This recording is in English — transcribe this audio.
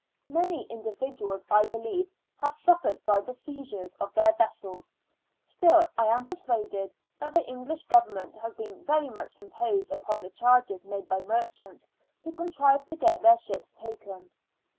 Many individuals I believe have suffered by the seizures of their vessels; still I am persuaded that the English Government has been very much imposed upon in the charges made by merchants who contrived to get their ships taken.